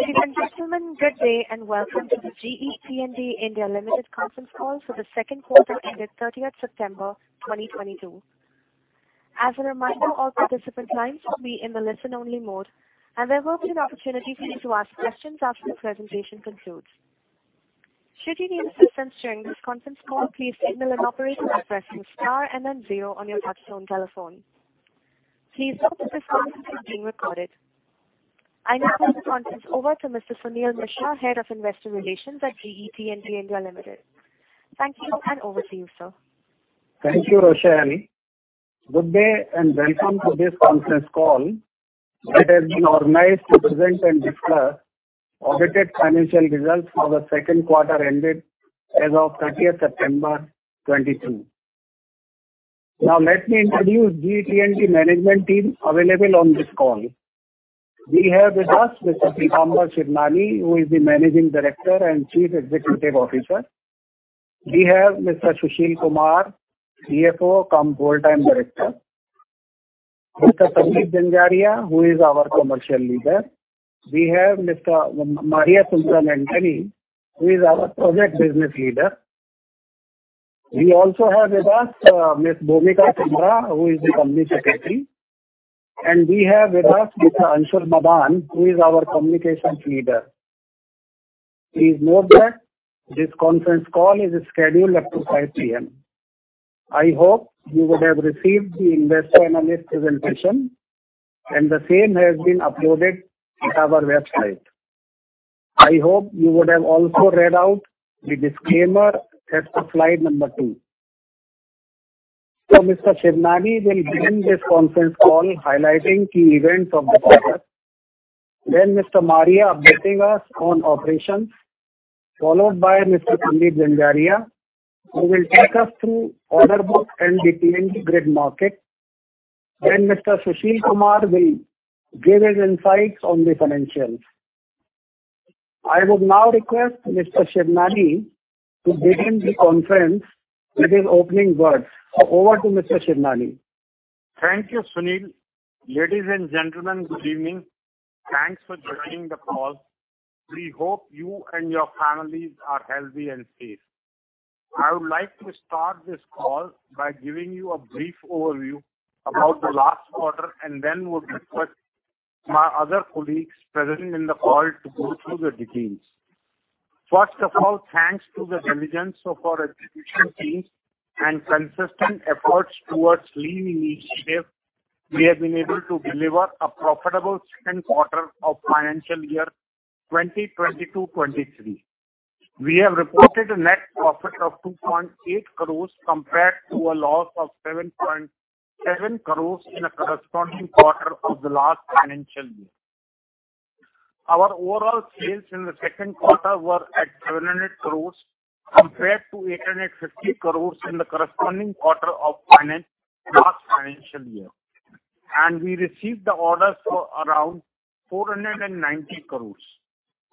Ladies and gentlemen, good day, and welcome to the GE T&D India Limited conference call for the second quarter ended 30th September 2022. As a reminder, all participant lines will be in the listen only mode, and there will be an opportunity for you to ask questions after the presentation concludes. Should you need assistance during this conference call, please signal an operator by pressing star and then zero on your touchtone telephone. Please note that this conference is being recorded. I now hand the conference over to Mr. Suneel Mishra, Head of Investor Relations at GE T&D India Limited. Thank you, and over to you, sir. Thank you, Roshan. Good day, and welcome to this conference call that has been organized to present and discuss audited financial results for the second quarter ended as of 30th September 2022. Now let me introduce GE T&D management team available on this call. We have with us Mr. Pitamber Shivnani, who is the Managing Director and Chief Executive Officer. We have Mr. Sushil Kumar, CFO cum Whole Time Director. Mr. Sandeep Zanzaria, who is our Commercial Leader. We have Mr. Mariasundaram Antony, who is our Project Business Leader. We also have with us Ms. Bhumika Sinha, who is the Company Secretary. We have with us Mr. Anshul Madaan, who is our Communications Leader. Please note that this conference call is scheduled up to 5 P.M. I hope you would have received the investor analyst presentation, and the same has been uploaded in our website. I hope you would have also read out the disclaimer as to slide number 2. Mr. Shivnani will begin this conference call highlighting key events of the quarter. Mr. Mariasundaram updating us on operations, followed by Mr. Sandeep Zanzaria, who will take us through order book and the T&D grid market. Mr. Sushil Kumar will give his insights on the financials. I would now request Mr. Shivnani to begin the conference with his opening words. Over to Mr. Shivnani. Thank you, Suneel. Ladies and gentlemen, good evening. Thanks for joining the call. We hope you and your families are healthy and safe. I would like to start this call by giving you a brief overview about the last quarter and then would request my other colleagues present in the call to go through the details. First of all, thanks to the diligence of our execution teams and consistent efforts towards lean initiative, we have been able to deliver a profitable second quarter of financial year 2022-2023. We have reported a net profit of 2.8 crores compared to a loss of 7.7 crores in the corresponding quarter of the last financial year. Our overall sales in the second quarter were at 700 crores compared to 850 crores in the corresponding quarter of last financial year. We received the orders for around 490 crores.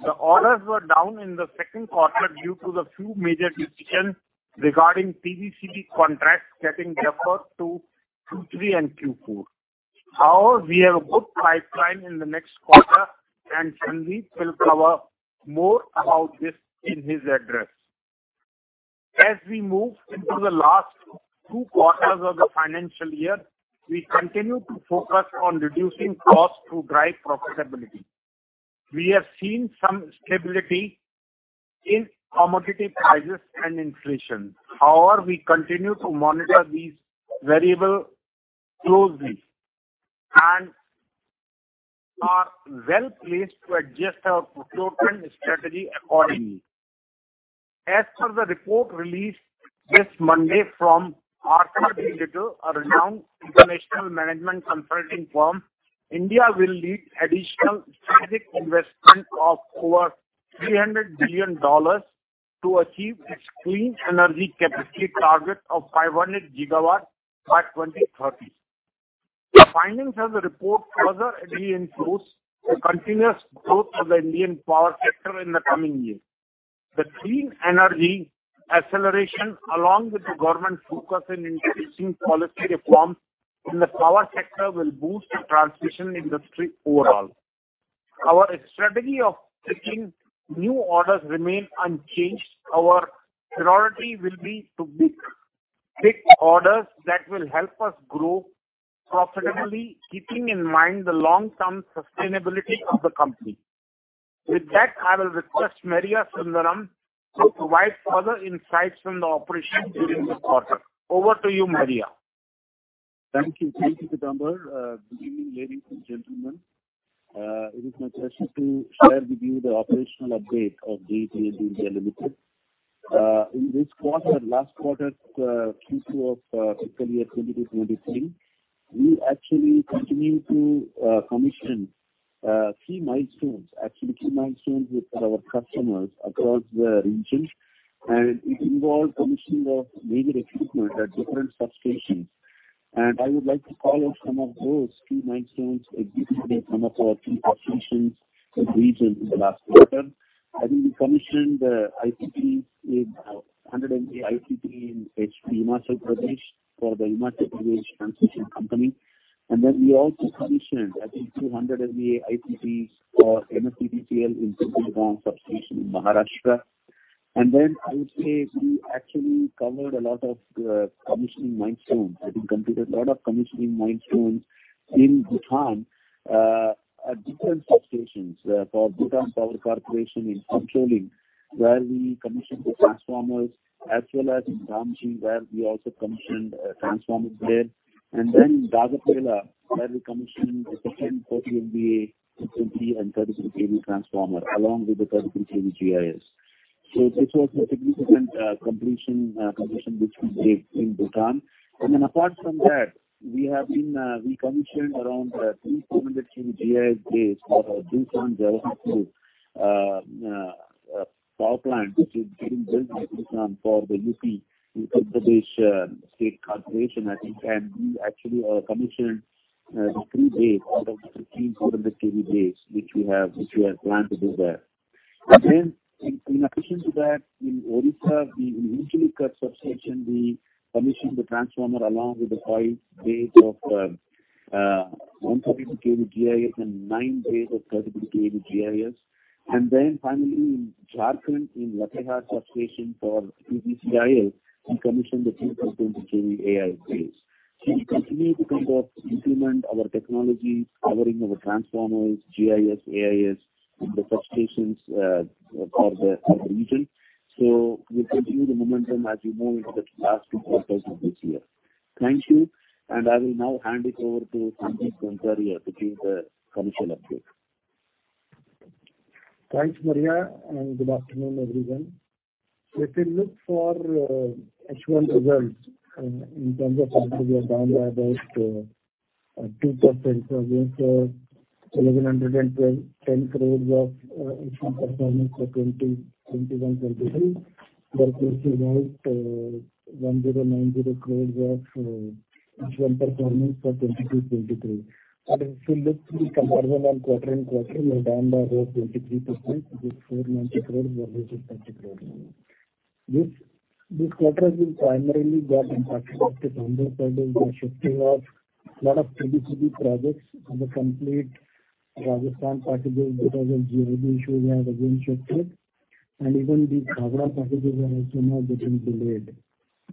The orders were down in the second quarter due to a few major decisions regarding PGCIL contracts getting deferred to Q3 and Q4. However, we have a good pipeline in the next quarter, and Sandeep will cover more about this in his address. As we move into the last two quarters of the financial year, we continue to focus on reducing costs to drive profitability. We have seen some stability in commodity prices and inflation. However, we continue to monitor these variables closely and are well-placed to adjust our procurement strategy accordingly. As per the report released this Monday from Arthur D. Little, a renowned international management consulting firm, India will lead additional strategic investment of over $300 billion to achieve its clean energy capacity target of 500 GW by 2030. The findings of the report further reinforce the continuous growth of the Indian power sector in the coming years. The clean energy acceleration, along with the government focus in introducing policy reforms in the power sector, will boost the transmission industry overall. Our strategy of taking new orders remain unchanged. Our priority will be to pick orders that will help us grow profitably, keeping in mind the long-term sustainability of the company. With that, I will request Mariasundaram Antony to provide further insights on the operations during this quarter. Over to you, Maria. Thank you. Thank you, Pitamber. Good evening, ladies and gentlemen. It is my pleasure to share with you the operational update of GE T&D India Limited. In this quarter, last quarter, Q2 of fiscal year 2023, we actually continued to commission three milestones. Actually, three milestones with our customers across the region. It involved commissioning of major equipment at different substations. I would like to call out some of those three milestones achieved in some of our key operations and regions in the last quarter. I think we commissioned the IPPs with 100 MVA IPP in Himachal Pradesh for the Himachal Pradesh Power Transmission Corporation Limited. Then we also commissioned I think 200 MVA IPP for MSETCL in Subhedar substation in Maharashtra. Then I would say we actually covered a lot of commissioning milestones. I think we completed a lot of commissioning milestones in Bhutan at different substations for Bhutan Power Corporation in Phuentsholing, where we commissioned the transformers, as well as in Damchoe where we also commissioned transformers there. In Dagapela, where we commissioned the second 40 MVA, 50 and 32 KV transformer, along with the 32 KV GIS. This was a significant completion which we did in Bhutan. Apart from that, we commissioned around 3 400 KV GIS bays for Dhulikhel Hydropower power plant, which is being built in Bhutan for the UP, Uttar Pradesh State Corporation, I think. We actually commissioned the 3 bays out of the 15 400 KV bays which we have planned to do there. In addition to that, in Odisha, the Angul West substation, we commissioned the transformer along with the 5 bays of 140 KV GIS and 9 bays of 30 KV GIS. Finally in Jharkhand, in Latehar substation for PGCIL, we commissioned the 220 KV AIS bays. We continue to kind of implement our technologies covering our transformers, GIS, AIS in the substations for the region. We'll continue the momentum as we move into the last two quarters of this year. Thank you, and I will now hand it over to Sandeep Zanzaria to give the commercial update. Thanks, Maria, and good afternoon, everyone. If you look for H1 results, in terms of revenue we are down by about 2% from the INR 1,110 crores of H1 performance for 2021-22. Versus INR 1,090 crores of H1 performance for 2022-2023. If you look to the comparable quarter-on-quarter, we are down by about 23% with INR 490 crores versus INR 650 crores. This quarter has been primarily got impacted on both sides by shifting of lot of PDCD projects. The complete Rajasthan packages because of GIB issues have again shifted. Even the Bhakra packages have also now gotten delayed.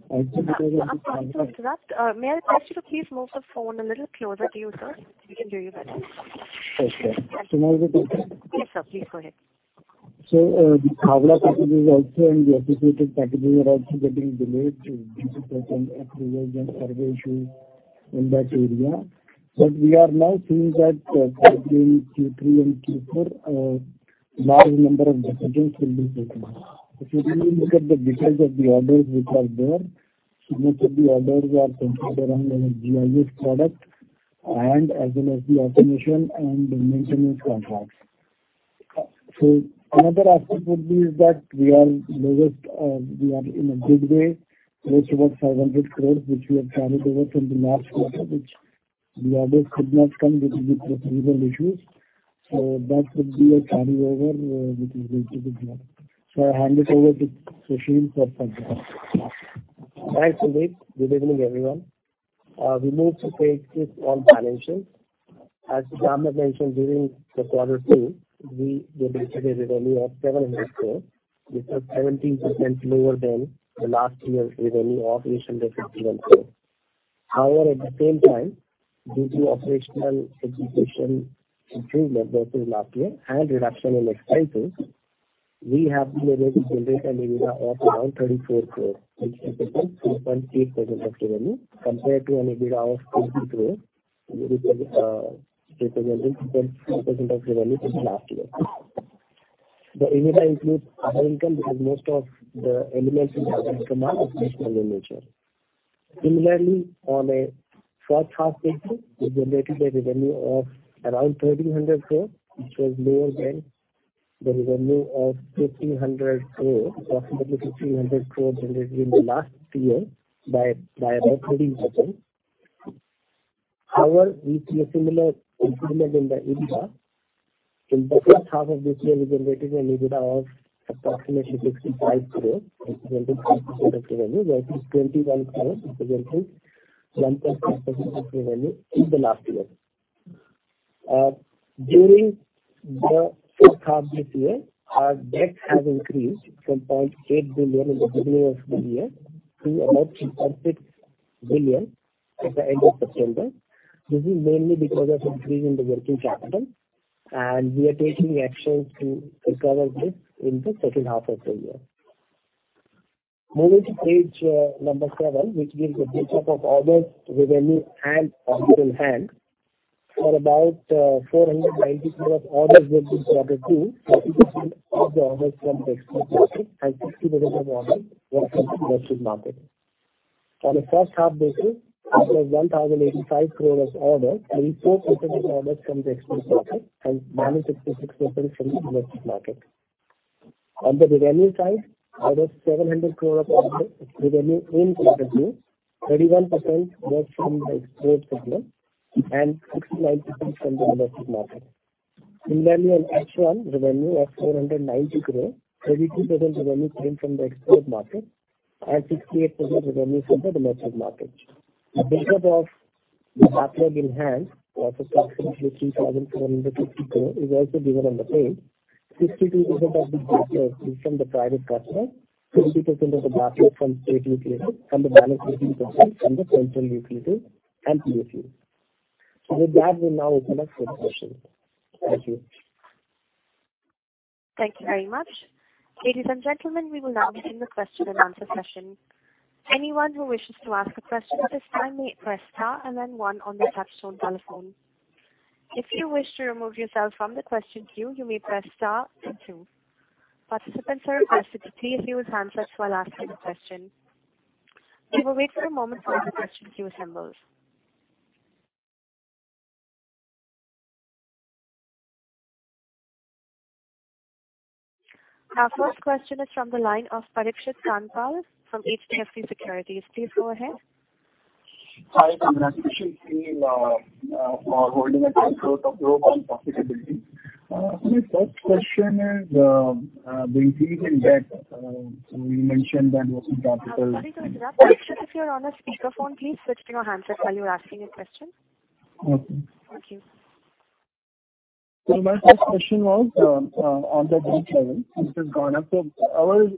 Actually because of this. I'm sorry to interrupt. May I request you to please move the phone a little closer to you, sir, so we can hear you better? Okay. Now is it okay? Yes, sir. Please go ahead. The Bhadla packages also and the other related packages are also getting delayed due to certain approvals and survey issues in that area. We are now seeing that, probably in Q3 and Q4, large number of decisions will be taken. If you really look at the details of the orders which are there, most of the orders are centered around our GIS product and as well as the automation and the maintenance contracts. Another aspect would be is that we are L1, we are in a good way, close to about 700 crore, which we have carried over from the last quarter, which the orders could not come due to the approval issues. That could be a carryover, which is going to be booked. I'll hand it over to Sushil for further. Thanks, Sandeep. Good evening, everyone. We move to page three on financials. As Shama mentioned during quarter two, we generated revenue of 700 crore, which was 17% lower than last year's revenue of 861 crore. However, at the same time, due to operational execution improvement versus last year and reduction in expenses, we have generated EBITDA of around INR 34 crore, which represents 2.8% of revenue compared to an EBITDA of INR 20 crore, which is representing 2.2% of revenue in the last year. The EBITDA includes other income because most of the elements in our income are exceptional in nature. Similarly, on a first half basis, we generated revenue of around 1,300 crore, which was lower than the revenue of 1,500 crore, approximately 1,500 crore generated in the last year by about 30%. However, we see a similar improvement in the EBITDA. In the first half of this year, we generated an EBITDA of approximately INR 65 crores, representing 5% of revenue, versus INR 21 crores representing 1.5% of revenue in the last year. During the first half this year, our debt has increased from 0.8 billion in the beginning of the year to about 3.6 billion at the end of September. This is mainly because of increase in the working capital, and we are taking actions to recover this in the second half of the year. Moving to page number seven, which gives a breakup of orders, revenue and orders on hand. For about INR 490 crores orders in this quarter two, 40% of the orders from export market and 60% of orders were from domestic market. On a first half basis, out of 1,085 crore orders, 84% of orders from the export market and 96% from the domestic market. On the revenue side, out of 700 crore orders, revenue in quarter 2, 31% was from the export segment and 69% from the domestic market. In the annual H1 revenue of 490 crore, 32% revenue came from the export market and 68% revenue from the domestic market. The breakup of the backlog in hand of approximately 3,450 crore is also given on the page. 62% of the backlog is from the private customers, 30% of the backlog from state utilities, and the remaining 16% from the central utilities and CPSUs. With that, we'll now open up for questions. Thank you. Thank you very much. Ladies and gentlemen, we will now begin the question and answer session. Anyone who wishes to ask a question at this time may press star and then one on their touchtone telephone. If you wish to remove yourself from the question queue, you may press star then two. Participants are requested to please mute handsets while asking a question. We will wait for a moment while the question queue assembles. Our first question is from the line of Parikshit Kandpal from HDFC Securities. Please go ahead. Hi, congratulations to you for holding a good growth of global profitability. My first question is the increase in debt. You mentioned that was in capital- Sorry to interrupt. Parikshit, if you're on a speakerphone, please switch to your handset while you're asking your question. Okay. Thank you. My first question was, on the debt level, it has gone up. Our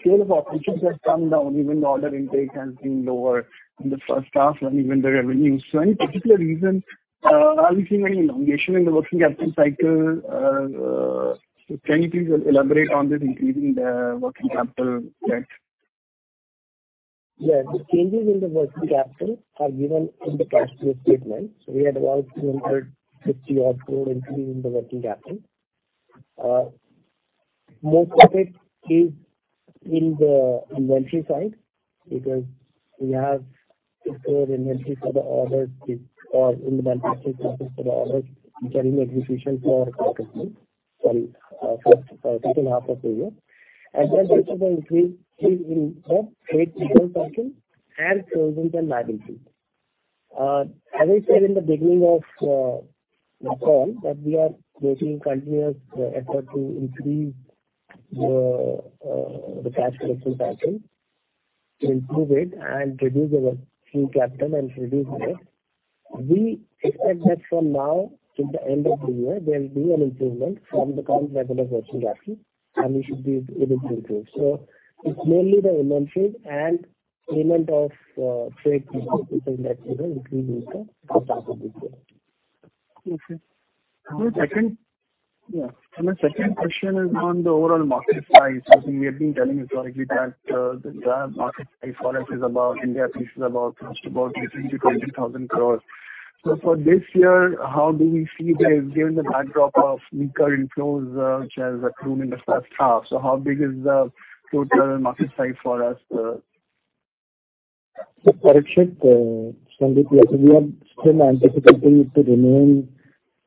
scale of operations has come down. Even the order intake has been lower in the first half and even the revenues. Any particular reason? Are we seeing any elongation in the working capital cycle? Can you please elaborate on this increase in the working capital debt? Yeah. The changes in the working capital are given in the cash flow statement. We had about 250 crore increase in the working capital. Most of it is in the inventory side, because we have procured inventory for the orders which are in the manufacturing process for the orders which are in execution for current year, for first second half of the year. Then rest of the increase is in the trade receivables and provisions and liabilities. As I said in the beginning of the call that we are making continuous effort to increase the cash collection pattern to improve it and reduce the working capital and reduce debt. We expect that from now to the end of the year, there will be an improvement from the current level of working capital, and we should be able to improve. It's mainly the inventory and payment of trade payables which have increased the working capital this year. Okay. The second question is on the overall market size. We have been telling historically that the market size for us is about, India piece is about, close to about 18,000-20,000 crore. For this year, how do we see this given the backdrop of weaker inflows, which has accrued in the first half? How big is the total market size for us? Parikshit, I think we are still anticipating it to remain,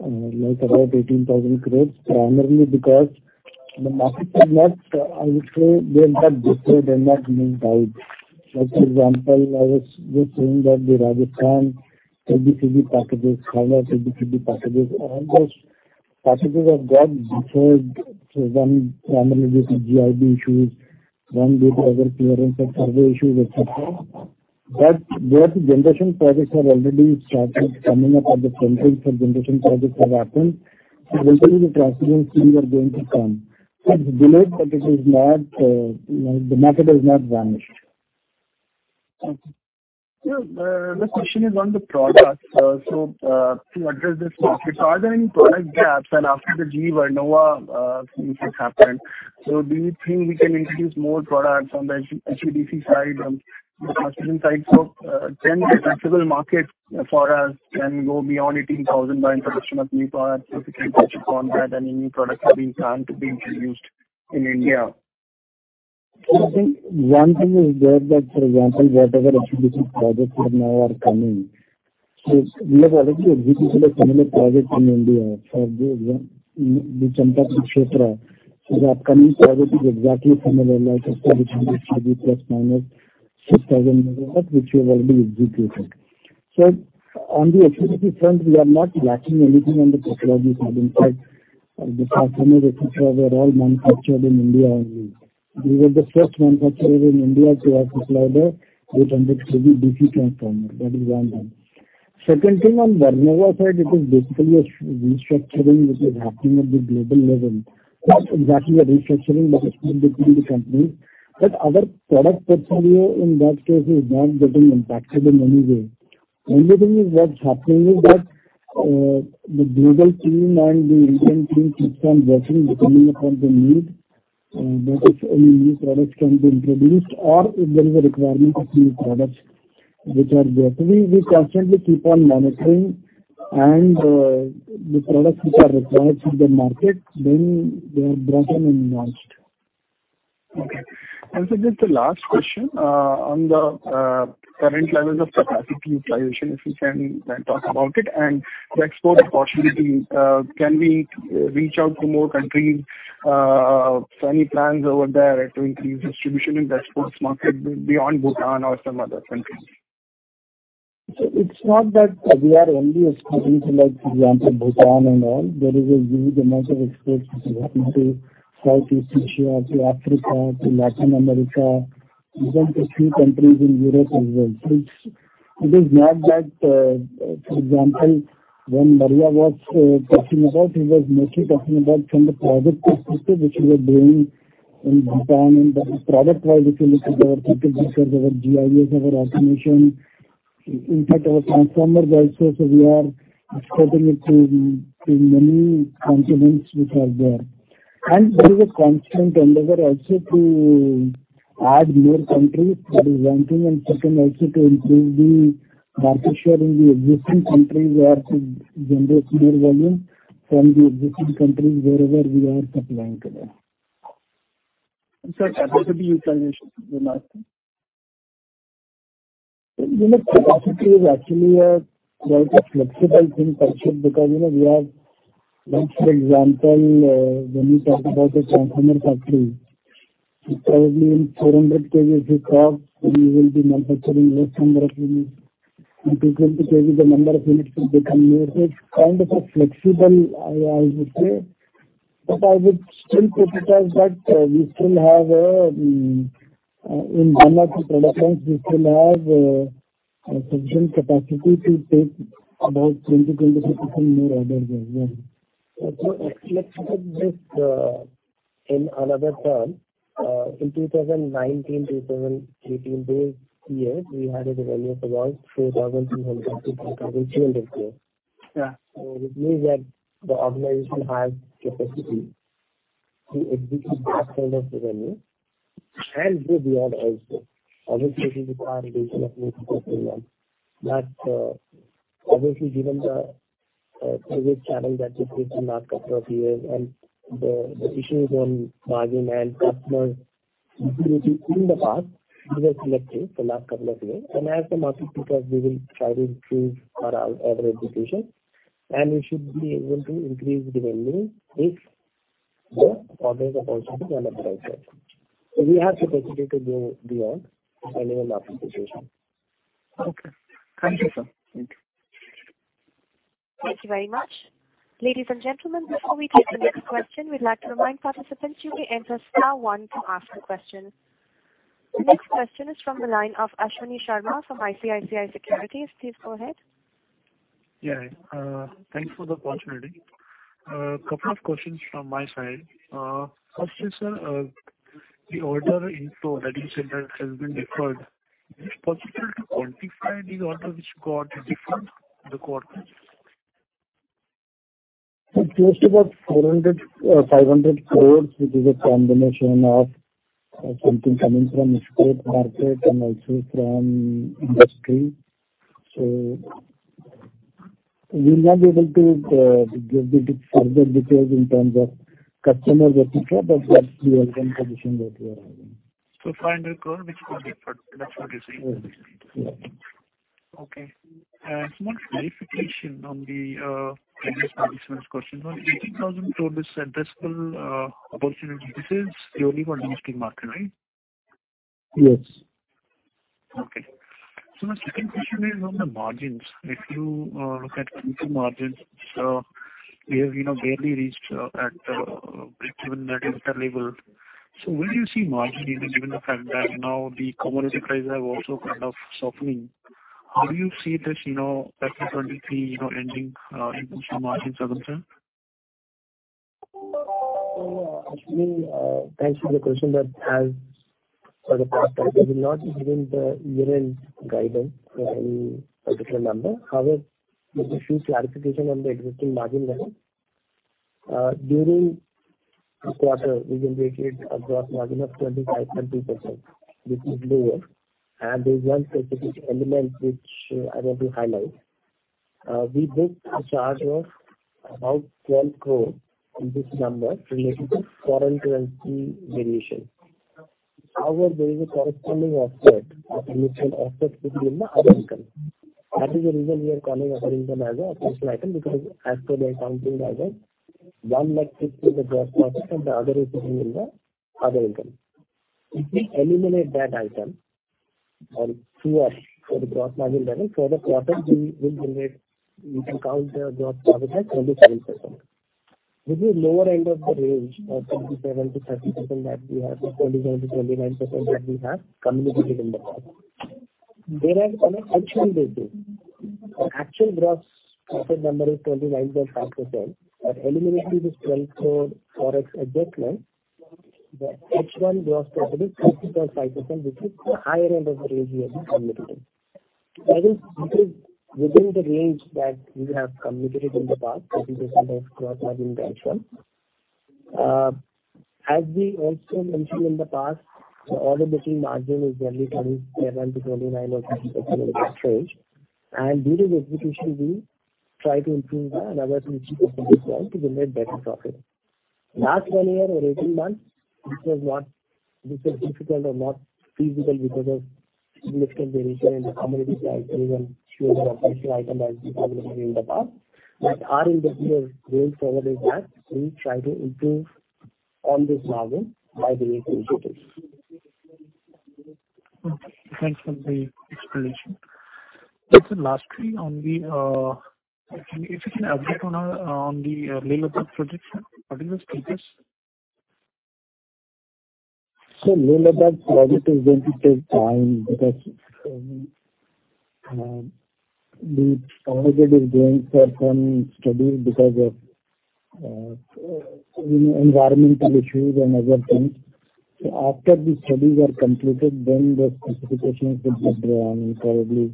like about 18,000 crore, primarily because the market is not, I would say, they have got deferred and not been wiped. Like, for example, I was just saying that the Rajasthan 30 GW packages, Khavda 30 GW packages. All those packages have got deferred to when primarily there's some GIB issues, one due to other clearance or survey issues, et cetera. But those generation projects have already started coming up. All the sanctions for generation projects have happened. Eventually the transmission fees are going to come. It's delayed, but it is not, like the market has not vanished. Okay. The question is on the products. To address this market, are there any product gaps and after the GE Vernova things which happened. Do you think we can introduce more products on the HVDC side and the transmission side? Can the potential market for us go beyond 18,000 by introduction of new products? If you can touch upon that, any new products have been planned to be introduced in India. I think one thing is there that, for example, whatever HVDC projects right now are coming, we have already executed a similar project in India for the Champa-Kurukshetra. The upcoming project is exactly similar like a ±800 kV, 6,000 MW, which we have already executed. On the HVDC front, we are not lacking anything on the technology side. In fact, the transformer, et cetera, were all manufactured in India only. We were the first manufacturer in India to have supplied an 800 kV DC transformer. That is one thing. Second thing on Vernova side, it is basically a restructuring which is happening at the global level. It is exactly a restructuring that is happening between the companies. Our product portfolio in that case is not getting impacted in any way. Only thing is what's happening is that, the global team and the Indian team keeps on working, depending upon the need, that if any new products can be introduced or if there is a requirement of new products which are there. We constantly keep on monitoring and, the products which are required in the market, then they are brought in and launched. Okay. Sir, just the last question on the current levels of capacity utilization, if you can talk about it and the export opportunity. Can we reach out to more countries? Any plans over there to increase distribution in the exports market beyond Bhutan or some other countries? It's not that we are only exporting to like, for example, Bhutan and all. There is a huge amount of exports which is happening to Southeast Asia, to Africa, to Latin America, even to few countries in Europe as well. It's, it is not that. For example, when Maria was talking about, she was mostly talking about from the product perspective, which we are doing in Bhutan, and that is product wise. If you look at our circuit breakers, our GIS, our automation, in fact our transformer guys also, so we are exporting it to many continents which are there. There is a constant endeavor also to add more countries for one thing, and second also to improve the market share in the existing countries we are to generate more volume from the existing countries wherever we are supplying today. Sir, capacity utilization remain same? You know, capacity is actually a very flexible thing, Parikshit Kandpal, because, you know, we have. Like for example, when you talk about a transformer factory, probably in 400 kV, if it stops, then you will be manufacturing less number of units. In 250 kV, the number of units will become more. So it's kind of a flexible, I would say. But I would still categorize that, we still have a, in Padappai production, we still have, sufficient capacity to take about 20%-25% more orders as well. Okay. Let's put this, in another term. In 2019, 2018, those years we had a revenue of around 4,200-4,300 crore. Yeah. It means that the organization has capacity to execute that kind of revenue and go beyond also. Obviously, it will require additional effort, for one. Obviously, given the COVID challenge that we faced in last couple of years and the issues on margin and customer exclusivity in the past, we were selective for last couple of years. As the market picks up, we will try to improve our other execution, and we should be able to increase revenue if the orders are also developed by us. We have capacity to go beyond our current market position. Okay. Thank you, sir. Thank you. Thank you very much. Ladies and gentlemen, before we take the next question, we'd like to remind participants to enter star one to ask a question. The next question is from the line of Ashwani Sharma from ICICI Securities. Please go ahead. Yeah. Thanks for the opportunity. Couple of questions from my side. First is, the order inflow that you said that has been deferred, is it possible to quantify the order which got deferred in the quarter? It's just about 400-500 crores, which is a combination of something coming from export market and also from industry. We'll not be able to give you the further details in terms of customers et cetera, but that's the overall position that we are having. INR 500 crores which got deferred, that's what you're saying? Yes. Okay. One clarification on the previous participant's question. Now 18,000 crore is addressable opportunity. This is purely for domestic market, right? Yes. My second question is on the margins. If you look at margin, so we have, you know, barely reached at breakeven that is available. Where do you see margin even given the fact that now the commodity prices have also kind of softening. How do you see this, you know, fiscal 2023, you know, ending in terms of margins for them, sir? Ashwani, thanks for the question. As for the past, I will not be giving the year-end guidance or any particular number. Just a few clarification on the existing margin level. During this quarter, we generated a gross margin of 25.2%, which is lower. There is one specific element which I want to highlight. We booked a charge of about 12 crore in this number related to foreign currency variation. There is a corresponding offset, which will offset it in the other income. That is the reason we are calling other income as an exceptional item, because as per the accounting standard, 1.5 lakh is a gross profit and the other is in the other income. If we eliminate that item or adjust for the gross margin level for the quarter, we can count the gross profit as 27%, which is lower end of the range of 27%-30% that we have or 27%-29% that we have communicated in the past. Whereas on an actual basis, our actual gross profit number is 29.5%. Eliminating this INR 12 crore Forex adjustment, the H1 gross profit is 30.5%, which is the higher end of the range we have been communicating. That is because within the range that we have communicated in the past, 30% of gross margin H1. As we also mentioned in the past, order book margin is generally 27%-29% or 30% of that range. During execution we try to improve our average which is 30% to generate better profit. Last 1 year or 18 months, this was not difficult or not feasible because of significant variation in the commodity price and even few other exceptional item as we have been seeing in the past. Our individual goal for what is that we try to improve on this margin by the way. Okay. Thanks for the explanation. Just lastly, if you can update on the Leh-Ladakh project, what is the status? Leh-Ladakh project is going to take time because the project is going for some studies because of you know, environmental issues and other things. After the studies are completed, then the specifications would get around probably.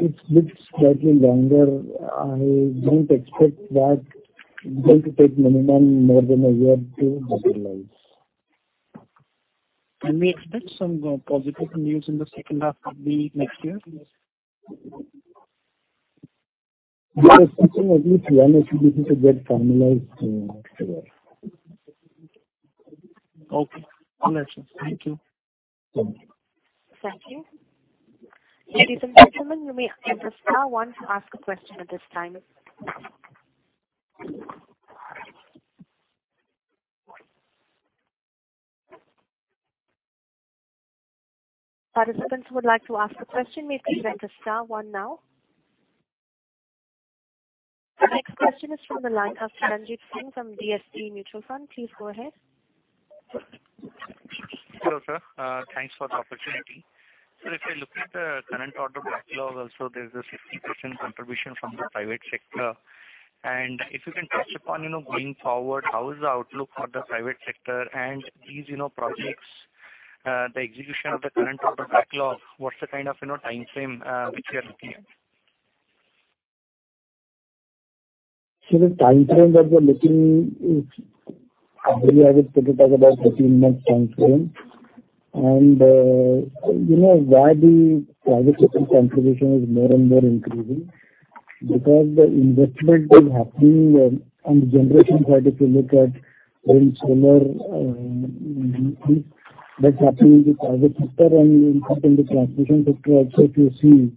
It looks slightly longer. I don't expect that it's going to take minimum more than a year to materialize. Can we expect some positive news in the second half of the next year? There is a possibility. I'm hoping to get formalized, next year. Okay. Understood. Thank you. Sure. Thank you. Ladies and gentlemen, you may enter star one to ask a question at this time. Participants who would like to ask a question may please enter star one now. The next question is from the line of Charanjit Singh from DSP Mutual Fund. Please go ahead. Hello, sir. Thanks for the opportunity. If you look at the current order backlog also, there's a 60% contribution from the private sector. If you can touch upon, you know, going forward, how is the outlook for the private sector and these, you know, projects, the execution of the current order backlog, what's the kind of, you know, timeframe, which you are looking at? The timeframe that we are looking is earlier I would put it as about 13-month timeframe. You know why the private sector contribution is more and more increasing? Because the investment is happening on the generation side if you look at wind, solar, that's happening in the private sector and even in the transmission sector also if you see,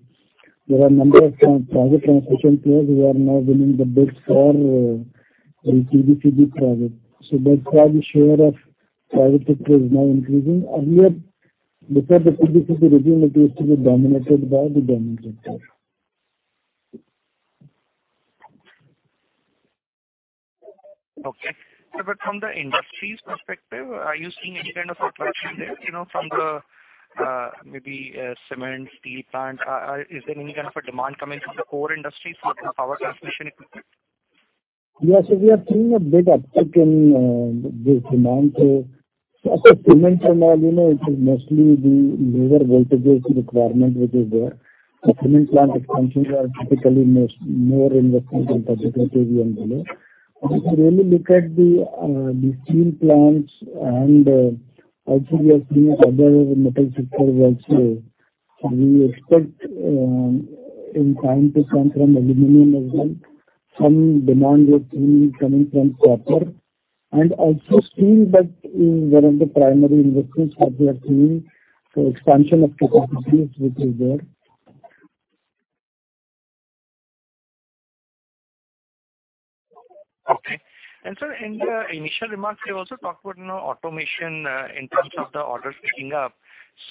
there are a number of private transmission players who are now winning the bids for the TBCB project. That's why the share of private sector is now increasing. Earlier, before the TBCB project, it used to be dominated by the government sector. Okay. From the industry's perspective, are you seeing any kind of attraction there, you know, from them, maybe cement, steel plant? Is there any kind of a demand coming from the core industries for power transmission equipment? We are seeing a big uptick in the demand. As far as cement demand, you know, it is mostly the lower voltages requirement which is there. A cement plant expansion are typically more investments in 30 kVA and below. If you really look at the steel plants and also we are seeing other metal sectors also. We expect in time to come from aluminum as well, some demand we are seeing coming from copper. And also steel, that is one of the primary investments that we are seeing. Expansion of capacities which is there. Okay. Sir, in the initial remarks you also talked about, you know, automation in terms of the orders picking up.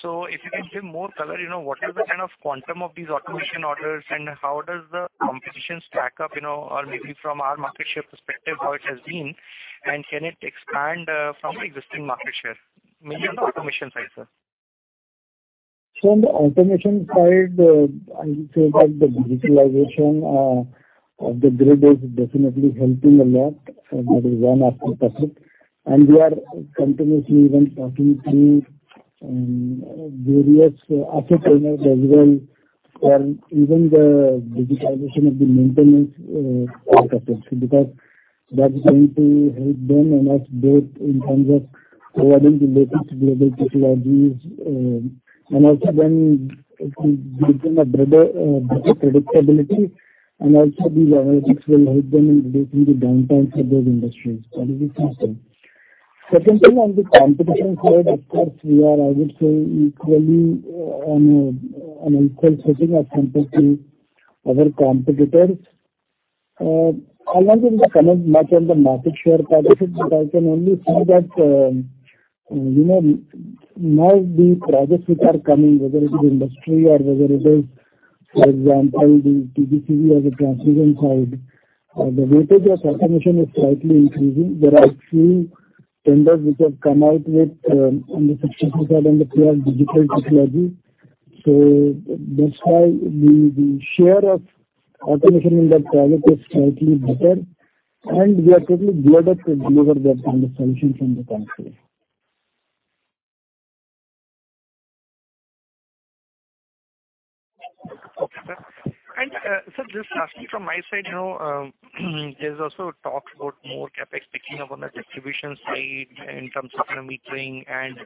If you can give more color, you know, what is the kind of quantum of these automation orders and how does the competition stack up, you know, or maybe from our market share perspective, how it has been. Can it expand from the existing market share, maybe on the automation side, sir? On the automation side, I would say that the digitalization of the grid is definitely helping a lot. That is one aspect of it. We are continuously even talking to various asset owners as well on even the digitalization of the maintenance aspect of it, because that is going to help them and us both in terms of providing the latest global technologies, and also then it will give them a better predictability and also these analytics will help them in reducing the downtime for those industries. That is the first thing. Secondly, on the competition side, of course, we are, I would say, equally on an equal footing as compared to other competitors. I'm not gonna comment much on the market share part of it, but I can only say that, you know, now the projects which are coming, whether it is industry or whether it is, for example, the PBJ or the transmission side, the weightage of automation is slightly increasing. There are a few tenders which have come out with, on the specification and the clear digital technology. So that's why the share of automation in that product is slightly better. We are totally geared up to deliver that kind of solution from the company. Okay, sir. Sir, just lastly from my side, you know, there's also talks about more CapEx picking up on the distribution side in terms of, you know, metering and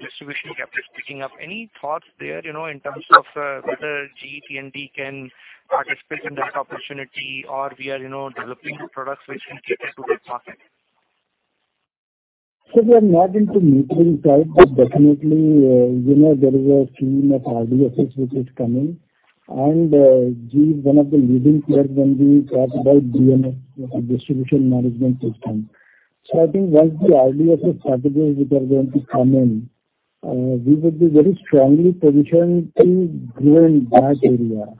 distribution CapEx picking up. Any thoughts there, you know, in terms of, whether GE T&D can participate in that opportunity or we are, you know, developing products which can cater to that market? We are not into metering side, but definitely, you know, there is a theme of RDSS which is coming, and GE is one of the leading players when we talk about DMS, Distribution Management System. I think once the RDSS strategies which are going to come in, we will be very strongly positioned in green gas area.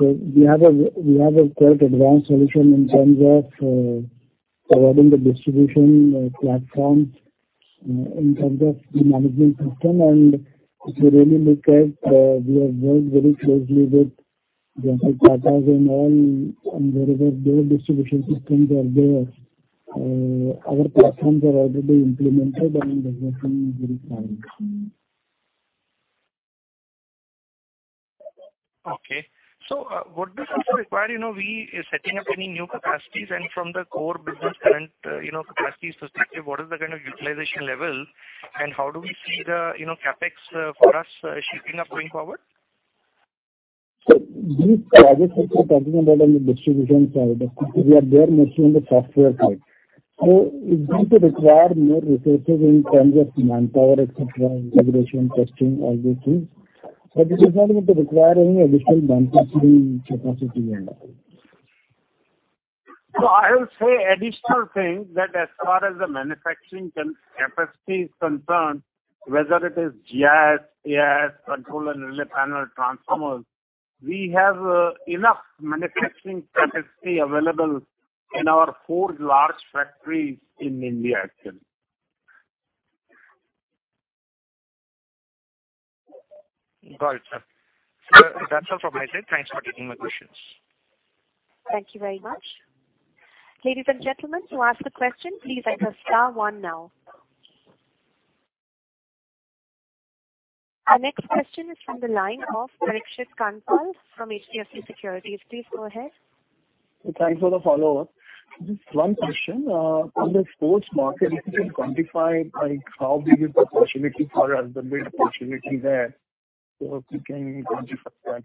We have a quite advanced solution in terms of providing the distribution platforms in terms of the management system. If you really look at, we have worked very closely with Genesis Carcas and all, and wherever their distribution systems are there, our platforms are already implemented and investment is very strong. Okay. What does this require, you know, we setting up any new capacities and from the core business current, you know, capacities perspective, what is the kind of utilization level, and how do we see the, you know, CapEx, for us, shaping up going forward? These projects which we're talking about on the distribution side, we are there mostly on the software side. It's going to require more resources in terms of manpower, et cetera, integration, testing, all those things. It is not going to require any additional manufacturing capacity on that. I would say additional thing that as far as the manufacturing capacity is concerned, whether it is GIS, AIS, control and relay panel transformers, we have enough manufacturing capacity available in our 4 large factories in India actually. Got it. That's all from my side. Thanks for taking my questions. Thank you very much. Ladies and gentlemen, to ask the question, please enter star one now. Our next question is from the line of Parikshit Kandpal from HDFC Securities. Please go ahead. Thanks for the follow-up. Just one question. On the exports market, if you can quantify, like how big is the possibility for us, the big opportunity there, so if you can quantify that.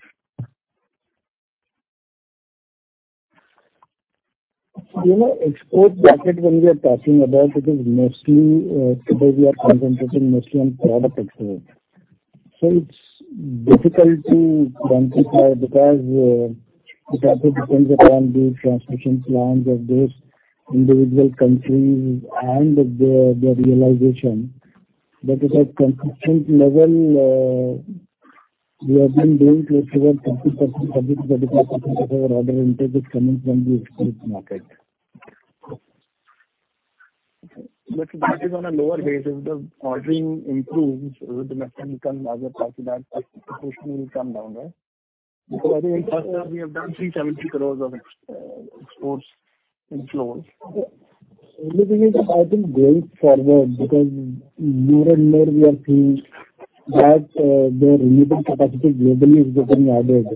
You know, export market, when we are talking about, it is mostly, today we are concentrated mostly on product sales. It's difficult to quantify because, it also depends upon the transmission plans of those individual countries and the realization. At a construction level, we have been doing close to about 30%, 30%-35% of our order intake is coming from the export market. That is on a lower base. If the ordering improves, the percent becomes larger part of that proportion will come down, right? Because I think first half we have done 370 crore of export inflows. Only thing is I think going forward because more and more we are seeing that, the renewable capacity globally is getting added.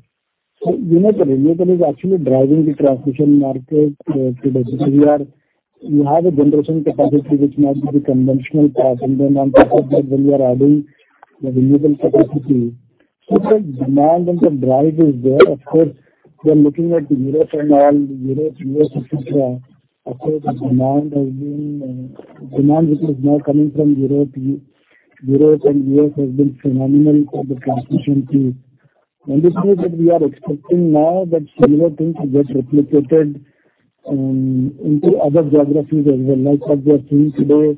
You know the renewable is actually driving the transmission market, today. We have a generation capacity which might be the conventional path. Then on top of that when we are adding the renewable capacity, so the demand and the drive is there. Of course, we are looking at Europe and all, the US, et cetera. Of course, the demand which is now coming from Europe and the US has been phenomenal for the transmission team. This is what we are expecting now that similar things get replicated into other geographies as well. Like what we are seeing today,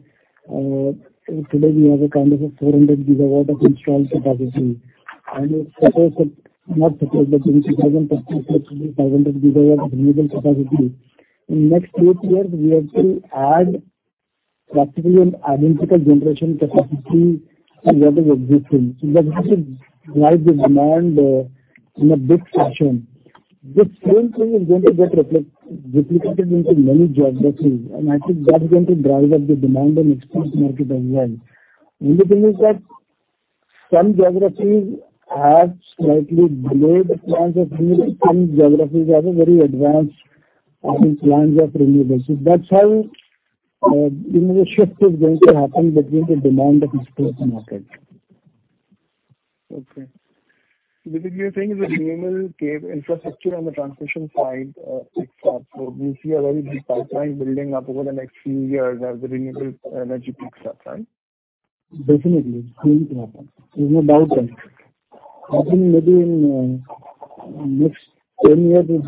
we have a kind of a 400 GW of installed capacity. Of course, with not suppose that in 2050 it will be 500 GW renewable capacity. In next 2-3 years, we have to add practically an identical generation capacity to what is existing. That is why the demand in a big fashion. The same thing is going to get replicated into many geographies, and I think that's going to drive up the demand in export market as well. Only thing is that some geographies have slightly delayed plans of doing it. Some geographies are very advanced on its plans of renewables. That's how, you know, the shift is going to happen between the demand of export market. Okay. Basically you're saying is that the multi-cable infrastructure on the transmission side picks up. We see a very big pipeline building up over the next few years as the renewable energy picks up, right? Definitely it's going to happen. There's no doubt on it. I think maybe in next 10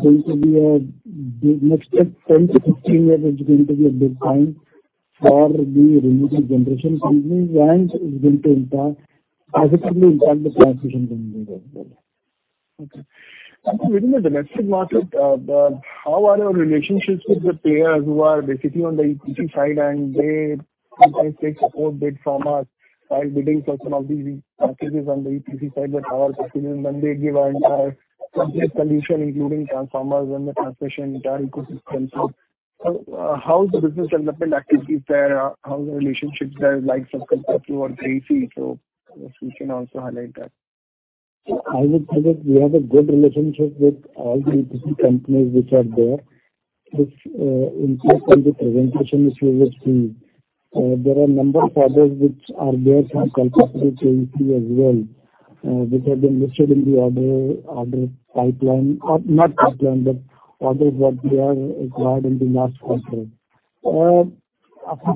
to 15 years, it's going to be a big time for the renewable generation business, and it's going to impact, positively impact the transmission business as well. Okay. Within the domestic market, how are your relationships with the players who are basically on the EPC side and they sometimes take support bid from us by bidding for some of these packages on the EPC side with our customers when they give an entire complete solution including transformers and the transmission entire ecosystem. How's the business development activities there? How's the relationships there likes of KEC or Kalpataru? If you can also highlight that. I would say that we have a good relationship with all the EPC companies which are there. It's in fact on the presentation which you would see. There are number of others which are there from KEC to Kalpataru as well, which have been listed in the orders that we have acquired in the last quarter.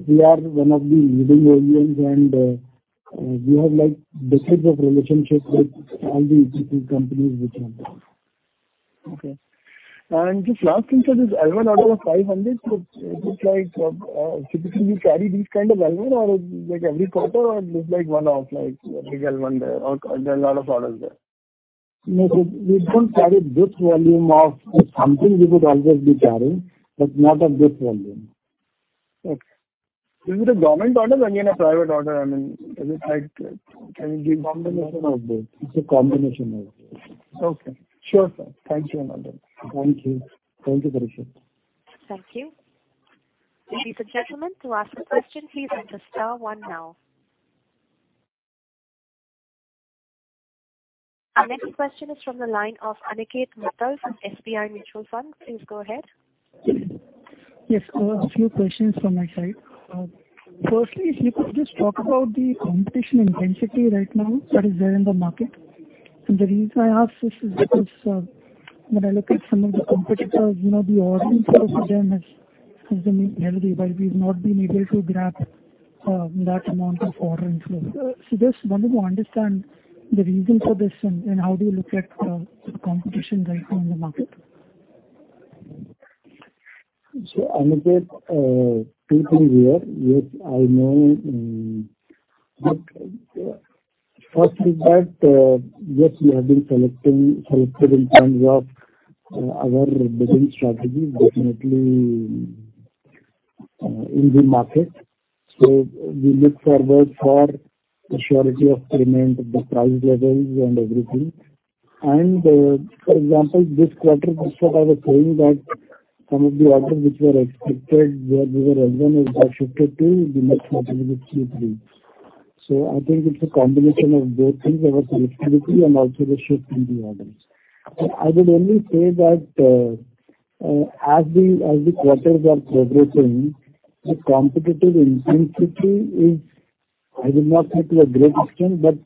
We are one of the leading OEMs and we have like decades of relationships with all the equipment companies which are there. Just last thing, so this L1 order of 500, so is it like, typically you carry these kind of L1 or like every quarter or is this like one-off, like a big L1 there or there are a lot of orders there? No, we don't carry this volume of something we could also be carrying, but not of this volume. Okay. Is it a government order or again a private order? I mean, is it like, can you give? Combination of both. It's a combination of both. Okay. Sure, sir. Thank you, Sushil Kumar. Thank you. Thank you, Parikshit Kandpal. Thank you. Ladies and gentlemen, to ask a question, please enter star one now. Our next question is from the line of Aniket Mittal from SBI Mutual Fund. Please go ahead. Yes. A few questions from my side. Firstly, if you could just talk about the competition intensity right now that is there in the market. The reason I ask this is because, when I look at some of the competitors, you know, the order inflow for them has been heavy, while we've not been able to grab that amount of order inflow. Just wanted to understand the reason for this and how do you look at the competition right now in the market? Aniket, two things here which I know. First is that, yes, we have been selective in terms of our bidding strategy, definitely in the market. We look forward for the surety of payment, the price levels and everything. For example, this quarter, Mr. Sandeep Zanzaria was saying that some of the orders which were expected where we were L1 have got shifted to the next quarter, which is Q3. I think it's a combination of both things, our selectivity and also the shift in the orders. I would only say that, as the quarters are progressing, the competitive intensity is, I would not say to a great extent, but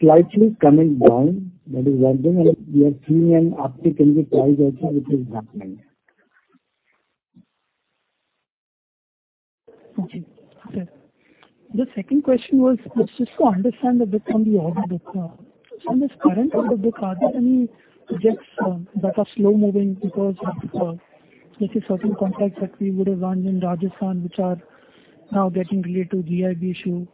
slightly coming down. That is one thing. We are seeing an uptick in the price also which is happening. Okay. Sir, the second question was just to understand a bit from the order book. In this current order book, are there any projects that are slow moving because of, let's say certain contracts that we would have won in Rajasthan which are now getting related to GIB issue?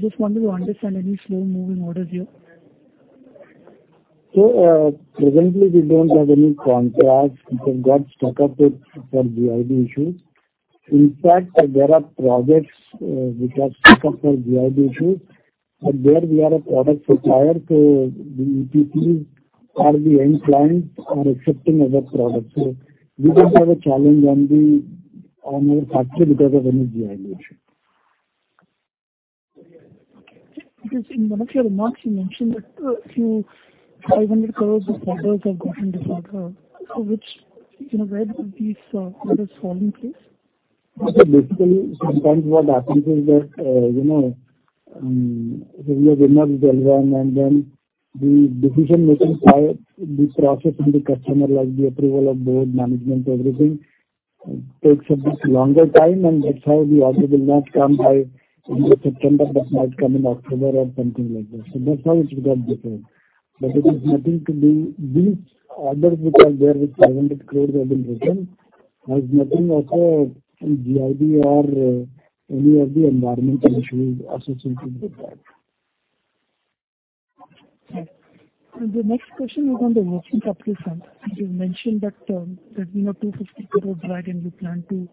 Just wanted to understand any slow moving orders here. Presently we don't have any contracts which have got stuck up with for GIB issues. In fact, there are projects which are stuck up for GIB issues, but there we are a product supplier, so the EPC or the end clients are accepting our product. We don't have a challenge on our factory because of any GIB issue. Okay. Because in one of your remarks, you mentioned that a few 500 crores of orders have gotten deferred. You know, where do these orders fall in place? Basically, sometimes what happens is that, we have been awarded the L1 and then the decision making by the process in the customer, like the approval of board, management, everything, takes a bit longer time, and that's how the order will not come by in the September, but might come in October or something like this. That's how it would have differed. It is nothing to do. These orders which are there with 500 crores have been retained, has nothing of, any GIB or, any of the environmental issues associated with that. Okay. The next question is on the working capital front. You've mentioned that you have 250 crores lag and you plan to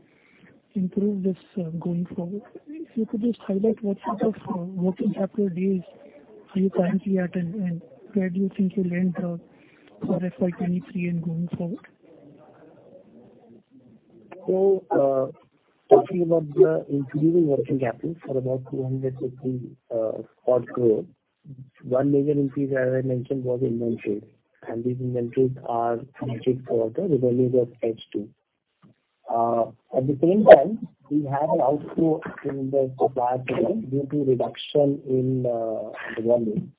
improve this going forward. If you could just highlight what sort of working capital days are you currently at and where do you think you'll end for FY 2023 and going forward? Talking about the improving working capital for about 350 odd crores. One major increase as I mentioned was inventories. These inventories are mainly for the revenues of H2. At the same time, we had an outflow in the supplier payment due to reduction in the volume.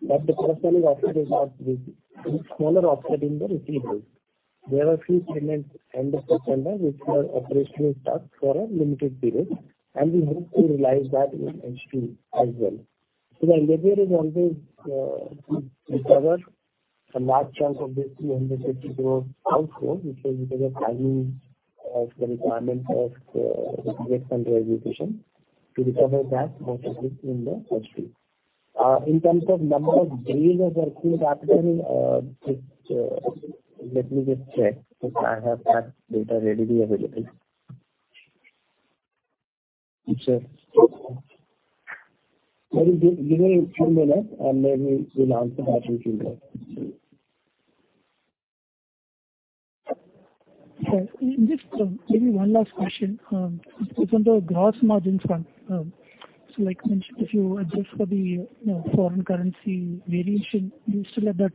The plus point is also there with smaller offset in the receivables. There were few payments end of September which were operational stocks for a limited period, and we hope to realize that in H2 as well. The endeavor is always to recover a large chunk of this INR 350 crores outflow which was because of timing of the requirement of the project under execution. To recover that possibly in the first week. In terms of number of days of working capital, just let me just check if I have that data readily available. Sure. Give me a few minutes, and then we'll answer that with you as well. Sure. Just maybe one last question, it's on the gross margins front. Like mentioned, if you adjust for the, you know, foreign currency variation, you still have that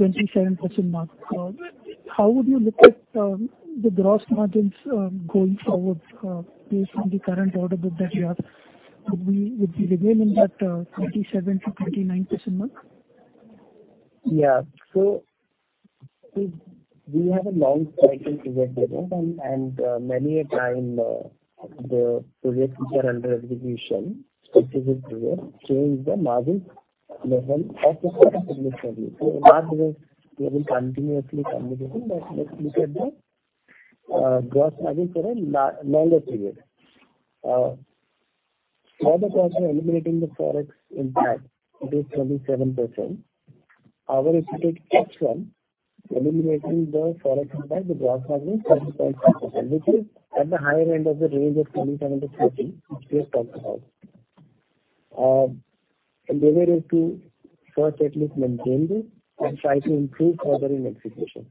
27% mark. How would you look at the gross margins going forward based on the current order book that you have? Would we be revealing that 27%-29% mark? We have a long cycle to get there and many a time the projects which are under execution, which is a project, change the margin level of the current fiscal year. In March, we will continuously communicate and let's look at the gross margin for a longer period. For the quarter, eliminating the Forex impact, it is 27%. However, if you take H1, eliminating the Forex impact, the gross margin is 20.6%, which is at the higher end of the range of 27%-30% which we have talked about. Endeavor is to first at least maintain this and try to improve further in execution.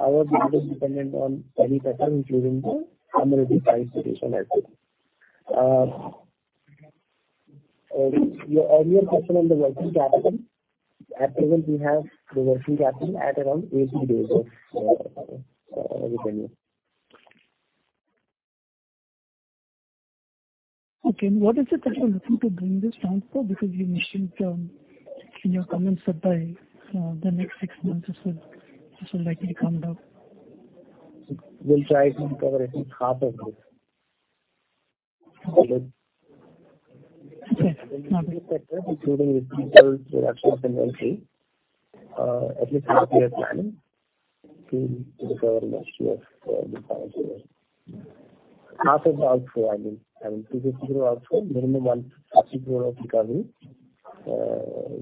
Our business dependent on many factors, including the unregulated price situation as well. Your earlier question on the working capital. At present we have the working capital at around 80 days of revenue. Okay. What is it that you're looking to bring this down for? Because you mentioned in your comments that by the next six months this will likely come down. We'll try to cover at least half of this. Okay. Including this fiscal, that's 2023. At least half year plan to recover next year for the current year. Half of FY 2024, I mean. FY 2024 minimum one half of FY 2024 recovery,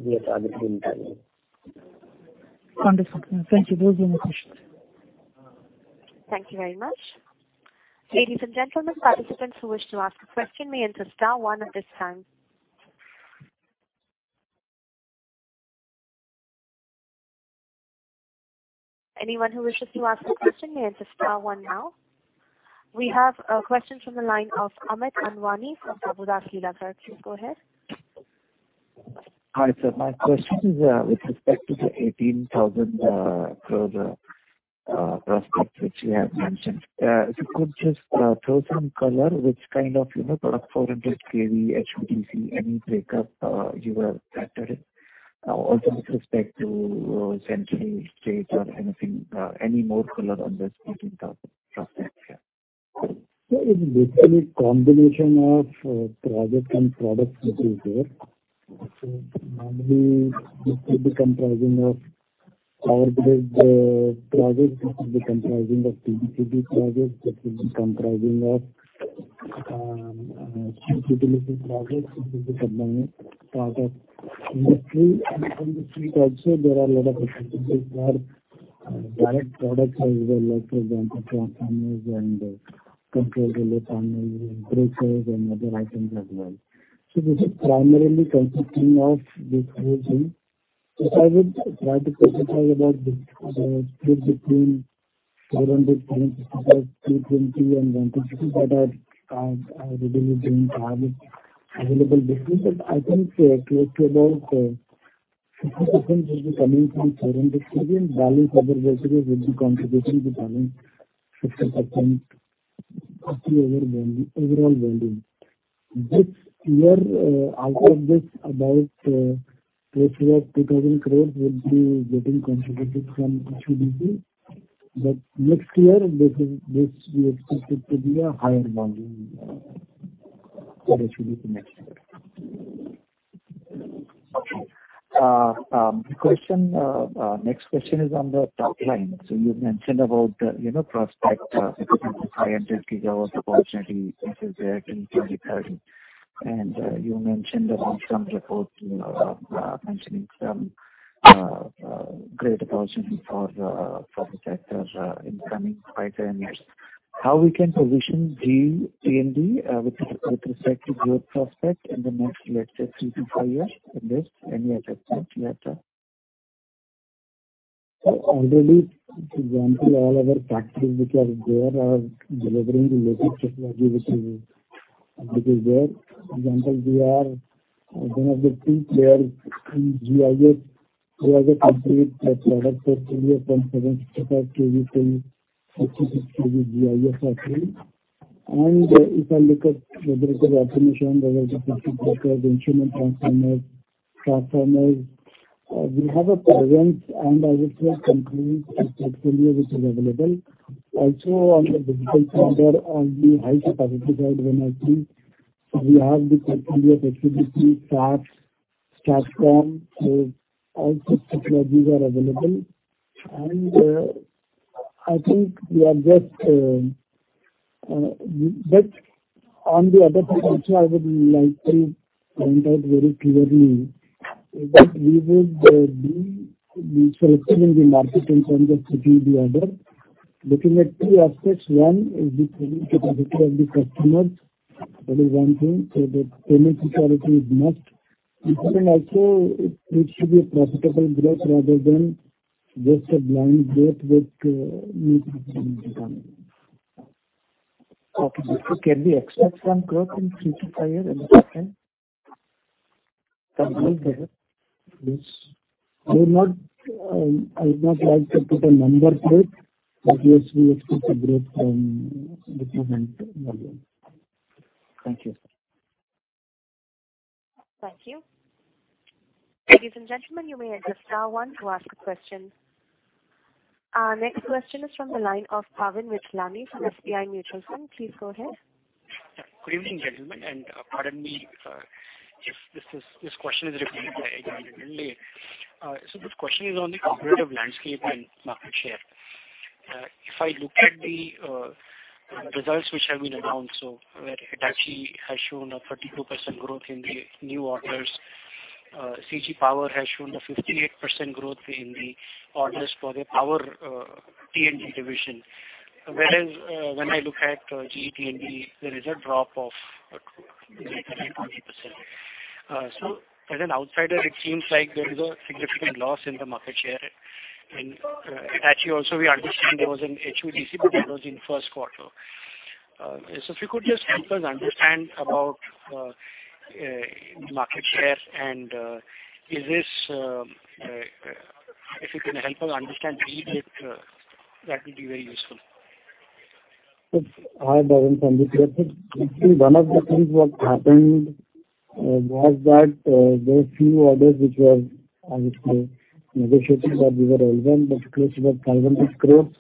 we are targeting timing. Understood. Thank you. Those were my questions. Thank you very much. Ladies and gentlemen, participants who wish to ask a question may enter star one at this time. Anyone who wishes to ask a question may enter star one now. We have a question from the line of Amit Anwani from Prabhudas Lilladher. Sir, please go ahead. Hi, sir. My question is, with respect to the 18,000 crore prospect which you have mentioned. If you could just throw some color, which kind of, you know, product 400 kV, HVDC, any breakup you have factored in. Also with respect to central state or anything, any more color on this 18,000 crore prospects. It's basically combination of project and product which is there. Normally this will be comprising of Power Grid projects. This will be comprising of TBCB projects. This will be comprising of huge utility projects. This will be combining product industry. From the street also there are lot of opportunities for direct products like the electrical transformers and control relay panels, breakers and other items as well. This is primarily consisting of this whole thing. I would try to quantify about the split between 400, 355, 220 and 150. But I really don't have available business. But I think close to about 50% will be coming from 400 kV and balance other rest of it will be contributing to balance 50% to overall volume. This year, out of this about close to 2,000 crores will be getting contributed from HVDC. Next year this we expect it to be a higher volume for HVDC next year. Okay. Next question is on the top line. You've mentioned about, you know, prospects representing 500 GW opportunity which is there till 2030. You mentioned about some report, you know, mentioning some great opportunity for the sector in coming 5, 10 years. How can we position T&D with respect to growth prospects in the next, let's say 3-5 years? Is there any assessment you have, sir? Already, for example, all our factories which are there are delivering the latest technology which is there. Example, we are one of the key players in GIS. We have a complete product portfolio from 765 kV to 260 kV GIS offering. If I look at the breaker automation, there is a complete offer, the instrument transformer, transformers. We have a presence and I would say complete portfolio which is available. Also on the digital front, on the high capacity side, when I see we have the portfolio flexibility, STATCOM, station. All such technologies are available. I think we are just. On the other front also I would like to point out very clearly is that we would be selective in the market in terms of taking the order. Looking at two aspects. One is the payment capability of the customers. That is one thing. The payment security is must. Second also it should be a profitable growth rather than just a blind growth which need to be done. Okay. Can we expect some growth in 3-5 years in the second? Yes. I would not like to put a number to it, but yes, we expect a growth from different areas. Thank you, sir. Thank you. Ladies and gentlemen, you may now press one to ask a question. Our next question is from the line of Bhavin Vithlani from SBI Mutual Fund. Please go ahead. Good evening, gentlemen, and pardon me if this question is repeated by anyone. This question is on the competitive landscape and market share. If I look at the results which have been announced, where Hitachi has shown a 32% growth in the new orders, CG Power has shown a 58% growth in the orders for their power T&D division. Whereas, when I look at GE T&D, there is a drop of 30%. As an outsider, it seems like there is a significant loss in the market share. Actually also we understand there was an HVDC, but that was in first quarter. If you could just help us understand about market share and the reason, that would be very useful. Yes. Hi, Bhavin. Sandeep here. I think one of the things what happened was that there were few orders which were, I would say, negotiated that we were relevant. That's close to 500 crores.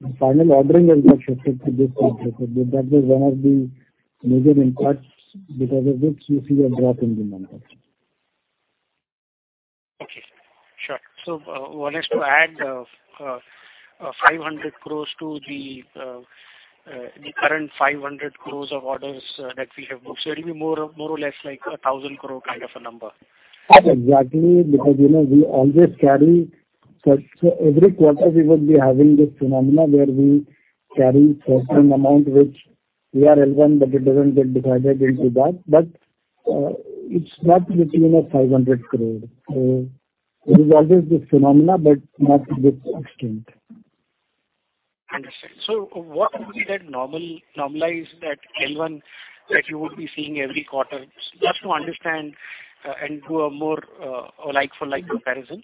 The final ordering has not shifted to this quarter. That was one of the major impacts. Because of this, you see a drop in the numbers. Okay, sure. One is to add 500 crores to the current 500 crores of orders that we have booked. It'll be more or less like a 1,000 crore kind of a number. Exactly. Because, you know, we always carry. So every quarter we would be having this phenomenon where we carry certain amount which we deem relevant, but it doesn't get divided into that. But it's not beyond 500 crore. It is always this phenomenon, but not to this extent. Understood. What would be that normal, normalized at 11 that you would be seeing every quarter? Just to understand, and do a more, like-for-like comparison.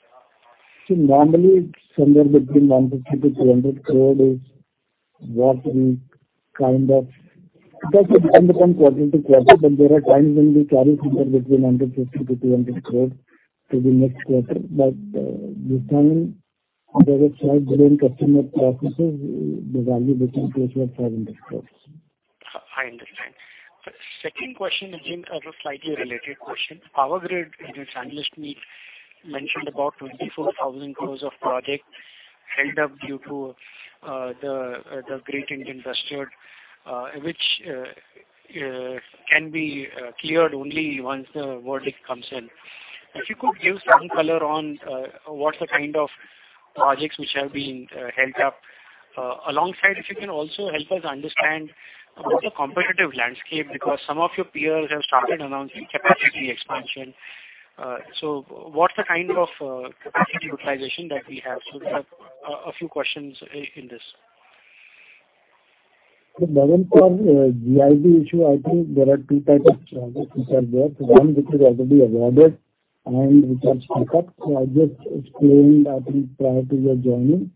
Normally it's somewhere between 150-200 crore is what we kind of. It also depends upon quarter to quarter, but there are times when we carry somewhere between 150-200 crore to the next quarter. This time there was slight delay in customer processes, the value being close to INR 500 crore. I understand. Second question is in a slightly related question. PowerGrid in its analyst meet mentioned about 24,000 crore of project held up due to the Great Indian Bustard, which can be cleared only once the verdict comes in. If you could give some color on what's the kind of projects which have been held up. Alongside, if you can also help us understand what's the competitive landscape, because some of your peers have started announcing capacity expansion. What's the kind of capacity utilization that we have? There are a few questions in this. Bhavin, for GIB issue, I think there are two types of projects which are there. One which is already awarded and which are stuck up. I just explained, I think, prior to your joining.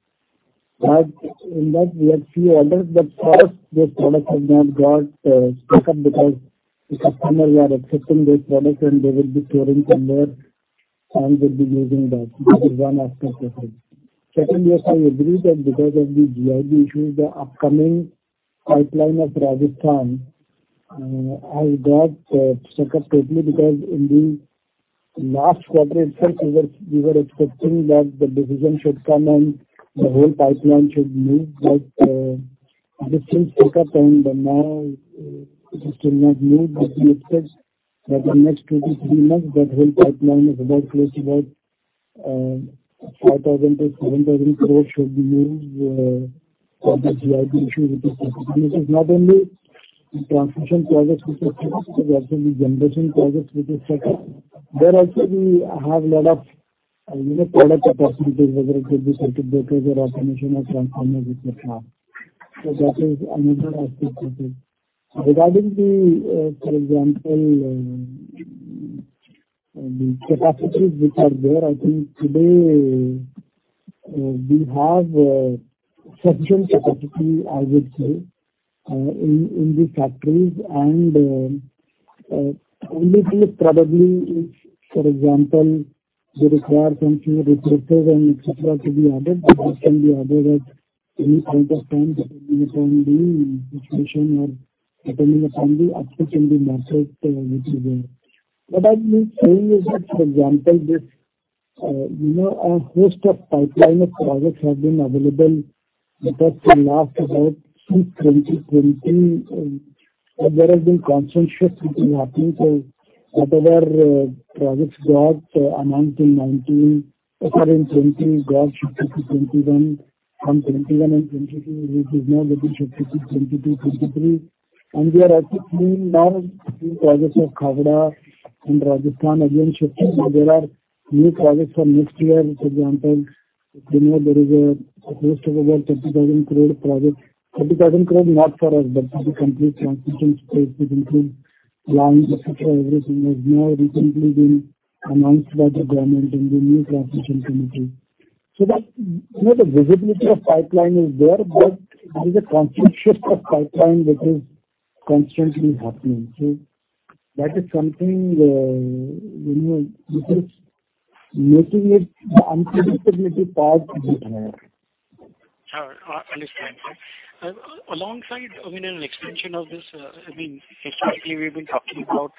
In that we have few orders, but first those products have not got stuck up because the customers are accepting those products and there will be clearing somewhere and we'll be using that. This is one aspect of it. Second, yes, I agree that because of the GIB issues, the upcoming pipeline of Rajasthan has got stuck up lately because in the last quarter itself we were expecting that the decision should come and the whole pipeline should move. It has been stuck up and now it has still not moved. We expect that in next two to three months, that whole pipeline of about 5,000-7,000 crores should be moved for the GIB issue which is stuck. Because it's not only the transmission projects which are stuck, there are few generation projects which are stuck. There also we have lot of, you know, product capacities, whether it will be circuit breakers or automation or transformers which are stuck. So that is another aspect of it. Regarding the, for example, the capacities which are there, I think today, we have sufficient capacity, I would say, in the factories. Only thing is probably, for example, they require some few rectifiers and et cetera to be added. This can be added at any point of time, depending upon the situation or depending upon the uptick in the market which is there. What I've been saying is that, for example, this, you know, a host of pipeline of projects have been available because in last about since 2020, there has been constant shift which is happening. Whatever projects got announced in 2019, sorry, in 2020 got shifted to 2021. From 2021 and 2022, it is now getting shifted to 2022, 2023. There are actually three projects of Khavda and Rajasthan again shifting. There are new projects for next year. For example, you know, there is a close to about 30,000 crore project. 30,000 crore not for us, but for the complete transmission space, which includes lines, et cetera, everything, has now recently been announced by the government in the new transmission committee. That, you know, the visibility of pipeline is there. There is a constant shift of pipeline which is constantly happening. That is something, you know, which is making it unpredictability a bit higher. Sure. I understand, sir. Alongside, I mean, an extension of this, I mean, historically, we've been talking about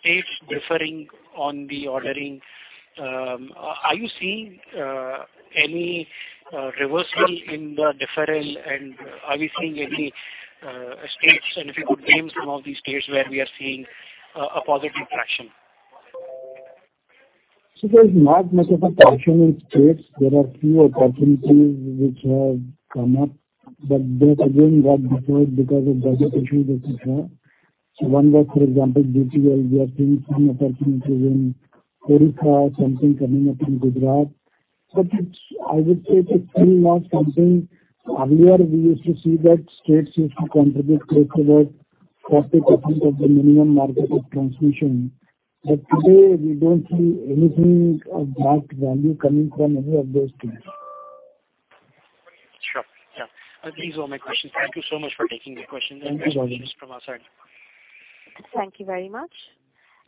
states differing on the ordering. Are you seeing any reversal in the deferral, and are we seeing any states and if you could name some of these states where we are seeing a positive traction? There's not much of a traction in states. There are few opportunities which have come up, but they again got deferred because of budget issues, et cetera. One was, for example, OPTCL. We are seeing few opportunities in Odisha, something coming up in Gujarat. It's, I would say, it's still not something. Earlier we used to see that states used to contribute close to about 40% of the minimum market of transmission. Today we don't see anything of marked value coming from any of those states. Sure. Yeah. These are all my questions. Thank you so much for taking the questions. Thank you. Congratulations from our side. Thank you very much.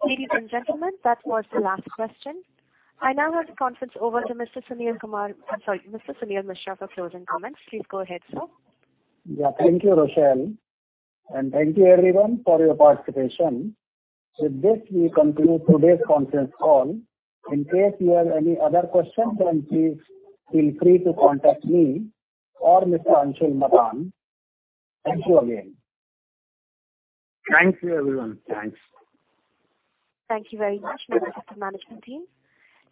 Ladies and gentlemen, that was the last question. I now hand the conference over to Mr. Sushil Kumar, I'm sorry, Mr. Suneel Mishra for closing comments. Please go ahead, sir. Yeah, thank you, Rochelle. Thank you everyone for your participation. With this we conclude today's conference call. In case you have any other questions, then please feel free to contact me or Mr. Anshul Madaan. Thank you again. Thank you, everyone. Thanks. Thank you very much members of the management team.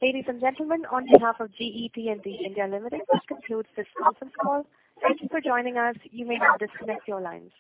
Ladies and gentlemen, on behalf of GE T&D India Limited, this concludes this conference call. Thank you for joining us. You may now disconnect your lines.